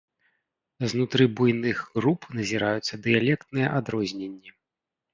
Знутры буйных груп назіраюцца дыялектныя адрозненні.